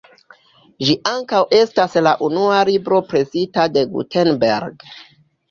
Ĝi ankaŭ estas la unua libro presita de Gutenberg.